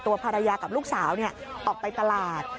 ภรรยากับลูกสาวออกไปตลาด